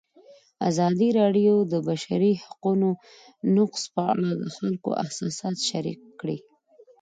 ازادي راډیو د د بشري حقونو نقض په اړه د خلکو احساسات شریک کړي.